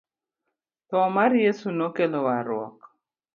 Tho mar Yeso no kelo warruok